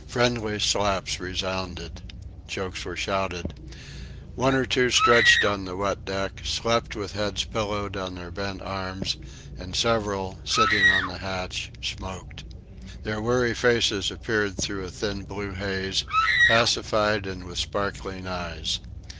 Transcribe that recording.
Friendly slaps resounded. Jokes were shouted. One or two stretched on the wet deck, slept with heads pillowed on their bent arms, and several, sitting on the hatch, smoked. Their weary faces appeared through a thin blue haze, pacified and with sparkling eyes.